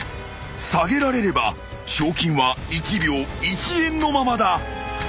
［下げられれば賞金は１秒１円のままだ］